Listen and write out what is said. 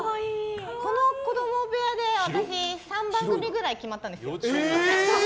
この子供部屋で私３番組くらい決まったんですよ。